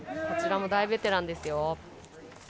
こちらも大ベテランです。